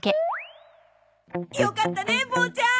よかったねボーちゃん。